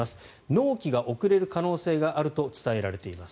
納期が遅れる可能性があると伝えられています。